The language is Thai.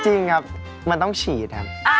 จริงครับมันต้องฉีดครับ